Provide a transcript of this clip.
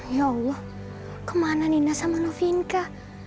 ya allah kemana nina sama lu finka